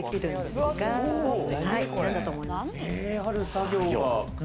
ある作業が